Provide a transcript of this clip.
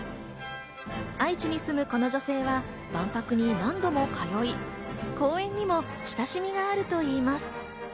愛知に住むこの女性は万博に何度も通い、公園にも親しみがあるといいます。